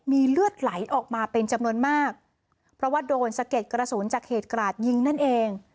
มีเลือดไหลออกมาเป็นจำนวนมากเพราะว่าโดนสะเก็ดกระสุนจากเหตุกราดยิงนั่นเอง